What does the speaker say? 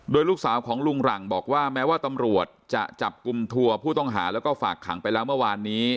โดยลูกสาวของลุงหลังบอกว่าแม้ว่าตำรวจจะจับกลุ่มทัวร์ผู้ต้องหาแล้วก็ฝากขังไปแล้วเมื่อวานนี้